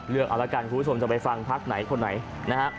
เลือกแล้วกันคุณผู้ที่ชมจะไปฟังพักคนไหน